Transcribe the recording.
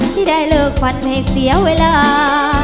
ที่ได้เลิกฝันให้เสียเวลา